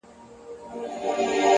مثبت فکر د زړه دروندوالی کموي؛